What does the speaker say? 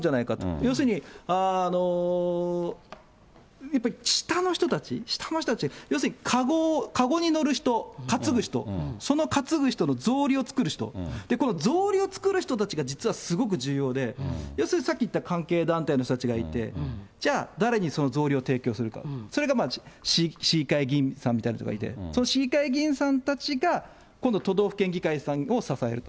要するに、やっぱ下の人たち、下の人たち、要するにかごに乗る人、担ぐ人、その担ぐ人のぞうりを作る人、このぞうりを作る人たちが実はすごく重要で、要するにさっき言った関係団体の人たちがいて、じゃあ、誰にそのぞうりを提供するか、それが市議会議員さんみたいな人がいて、その市議会議員さんたちが、今度都道府県議会さんを支えると。